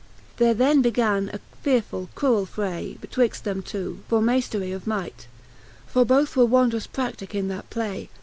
There then began a fearefuli cruell fray Betwixt them two, for mayftery of might. For both were wondrous pra^ticke in that play.